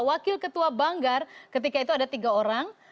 wakil ketua banggar ketika itu ada tiga orang